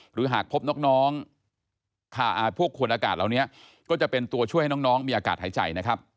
หรือถ้าพบน้องค่าพวกขวดแล้วนี้ก็จะเป็นตัวช่วยน้องมีอากาศหายใจ